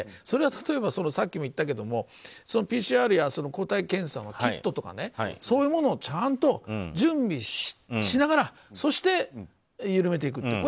それは例えばさっきも言ったけどもＰＣＲや抗体検査のキットとかそういうものをちゃんと準備しながらそして緩めていくと。